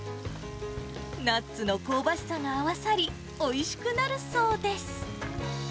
ナッツの香ばしさが合わさり、おいしくなるそうです。